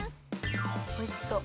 おいしそう。